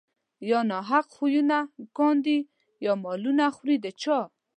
يا ناحق خونونه کاندي يا مالونه خوري د چا